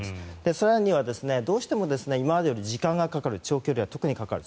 更にはどうしても今までより時間がかかる長距離は特にかかる。